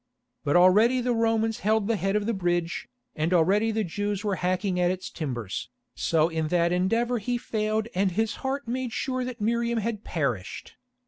But already the Romans held the head of the bridge, and already the Jews were hacking at its timbers, so in that endeavour he failed and in his heart made sure that Miriam had perished.